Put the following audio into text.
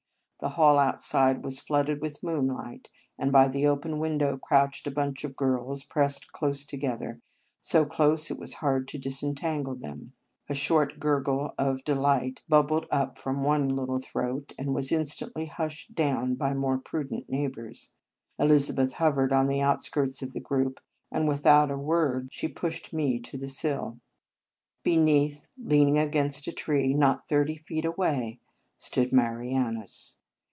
The hall outside was flooded with moonlight, and by the open window crouched a bunch of girls, pressed close together, so close it was hard to disentangle them. A soft gurgle of delight bubbled up from one little throat, and was instantly hushed down by more prudent neighbours. Eliza beth hovered on the outskirts of the group, and, without a word, she pushed me to the sill. Beneath, lean ing against a tree, not thirty feet away, stood Marianus.